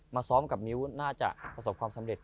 ซ้อมกับมิ้วน่าจะประสบความสำเร็จ